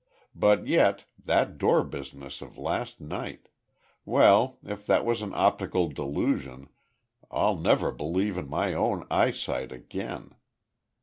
But yet that door business of last night well, if that was an optical delusion I'll never believe in my own eyesight again.